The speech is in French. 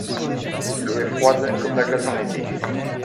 L'eau est froide comme la glace en été.